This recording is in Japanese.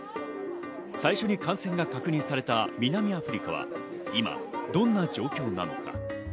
最初に感染が確認された南アフリカは今どんな状況なのか。